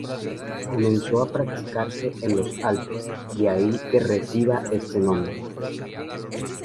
Comenzó a practicarse en los Alpes, de ahí que reciba este nombre.